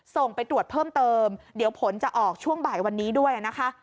ส่งไปตรวจเพิ่มเติมเดี๋ยวผลจะออกช่วงบ่ายวันนี้ด้วยนะคะ